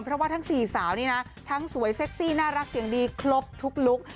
เพราะว่าทั้งสี่สาวนี่นะทั้งสวยเซ็กซี่น่ารักเสียงดีครบทุกลุค